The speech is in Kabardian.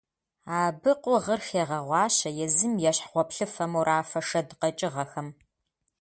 Абы къугъыр хегъэгъуащэ езым ещхь гъуэплъыфэ-морафэ шэд къэкӀыгъэхэм.